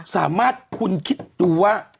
สามารถคุณคิดดูว่า